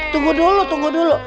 tunggu dulu tunggu dulu